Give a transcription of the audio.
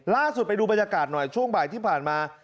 ล่าสุดไปดูบรรยากาศหน่อยช่วงบ่ายที่ผ่านมา